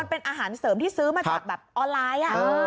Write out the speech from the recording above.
เป็นอาหารเสริมที่ซื้อมาจากแบบออนไลน์